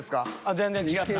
全然違った。